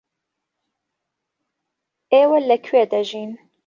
ئێوە لەکوێ دەژین؟